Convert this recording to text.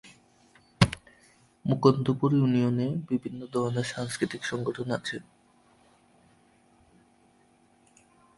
মুকুন্দপুর ইউনিয়নে বিভিন্ন ধরনের সাংস্কৃতিক সংগঠন আছে।